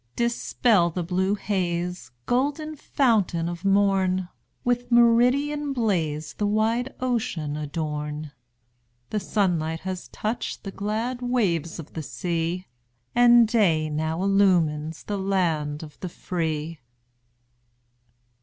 Dispel the blue haze, Golden Fountain of Morn! With meridian blaze The wide ocean adorn! The sunlight has touched the glad waves of the sea, And day now illumines the land of the FREE!